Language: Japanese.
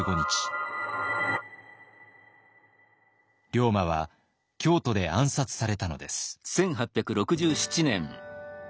龍馬は京都で暗殺されたのです。